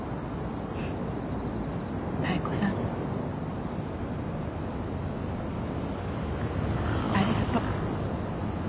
妙子さんありがとう。